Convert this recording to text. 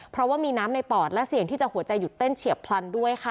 เพราะว่ามีน้ำในปอดและเสี่ยงที่จะหัวใจหยุดเต้นเฉียบพลันด้วยค่ะ